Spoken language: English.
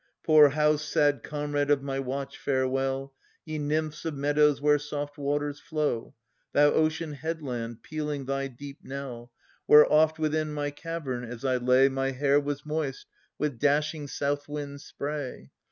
Poor house, sad comrade of my watch, farewell! Ye nymphs of meadows where soft waters flow. Thou ocean headland, pealing thy deep knell, Where oft within my cavern as I lay My hair was moist with dashing south wind's spray.